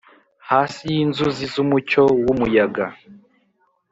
hasi yinzuzi zumucyo wumuyaga.